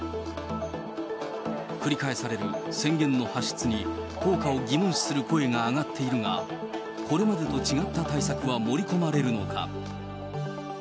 くり返される宣言の発出に、効果を疑問視する声が上がっているが、これまでと違った対策は盛り込まれるのか。